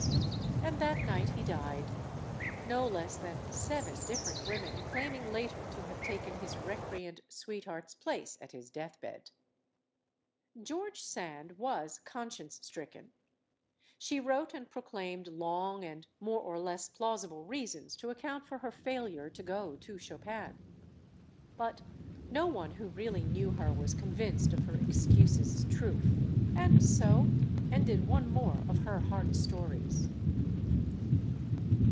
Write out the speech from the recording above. And that night he died no less than seven different women claiming later to have taken his recreant sweet heart's place at his deathbed. George Sand was conscience stricken. She wrote and proclaimed long and more or less plausible reasons to account for her failure to go to Chopin. But no one who really knew her was convinced of her excuses' truth. And so ended one more of her heart stories.